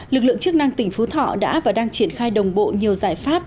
lực lượng chức năng tỉnh phú thọ đã và đang triển khai đồng bộ nhiều giải pháp